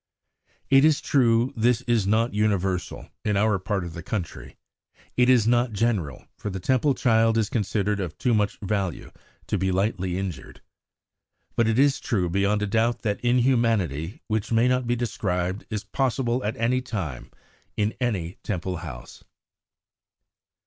It is true this is not universal; in our part of the country it is not general, for the Temple child is considered of too much value to be lightly injured. But it is true beyond a doubt that inhumanity which may not be described is possible at any time in any Temple house.